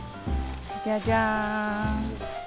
じゃじゃん！